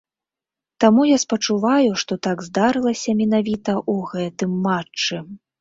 Таму я спачуваю, што так здарылася менавіта ў гэтым матчы.